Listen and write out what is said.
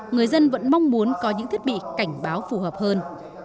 người dân vẫn mong muốn có những thiết bị cảnh báo phù hợp hơn